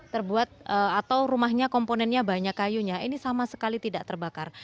terbuat atau rumahnya komponennya banyak kayunya ini sama sekali tidak terbakar